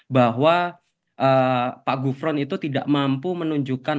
bahwa pak gufron itu tidak mampu menunjukkan